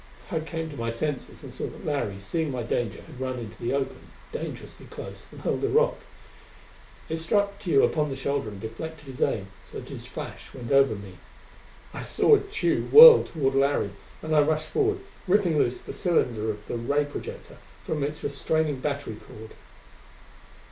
I came to my senses and saw that Larry, seeing my danger, had run into the open, dangerously close, and hurled a rock. It struck Tugh upon the shoulder and deflected his aim, so that his flash went over me. I saw Tugh whirl toward Larry, and I rushed forward, ripping loose the cylinder of the ray projector from its restraining battery cord.